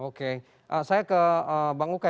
oke saya ke bang uke